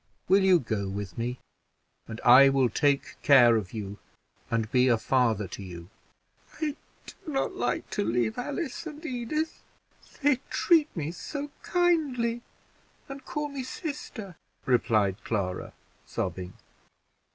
Will you go with me, and I will take care of you and be a father to you?" "I do not like to leave Alice and Edith; they treat me so kindly, and call me sister," replied Clara, sobbing.